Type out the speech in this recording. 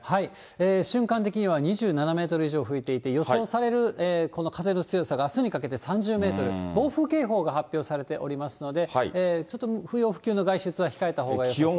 瞬間的には２７メートル以上吹いていて、予想されるこの風の強さが、あすにかけて３０メートル、暴風警報が発表されておりますので、不要不急の外出は控えたほうがよさそうです。